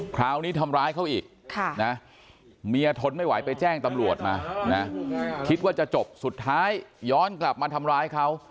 คราวนี้ทำร้ายเขาอีกเมียทนไม่ไหวไปแจ้งตำรวจมานะคิดว่าจะจบสุดท้ายย้อนกลับมาทำร้ายเขา